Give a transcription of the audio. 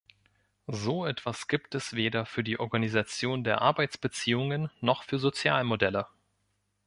So etwas gibt es weder für die Organisation der Arbeitsbeziehungen noch für Sozialmodelle.